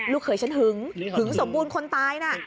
เขยฉันหึงหึงสมบูรณ์คนตายน่ะ